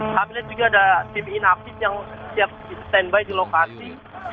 kami lihat juga ada tim inaktif yang siap stand by di lokasi